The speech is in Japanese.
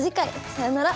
さようなら。